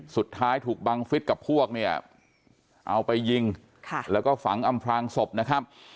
สุดท้ายถูกบังฟิศกับพวกเนี่ยเอาไปยิงแล้วก็ฝังอำพลางศพนะครับ